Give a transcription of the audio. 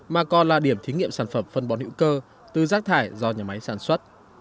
mà còn là điểm thí nghiệm sản phẩm phân bón hữu cơ từ rác thải do nhà máy sản xuất